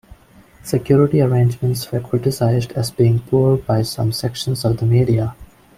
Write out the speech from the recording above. Security arrangements were criticised as being poor by some sections of the media.